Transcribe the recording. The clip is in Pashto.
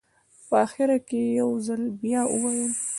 په اخره کې یې یو ځل بیا وویل.